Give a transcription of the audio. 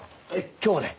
今日はね